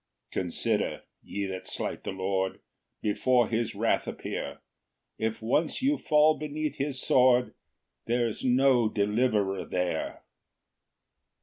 5 Consider, ye that slight the Lord, Before his wrath appear; If once you fall beneath his sword, There's no deliverer there.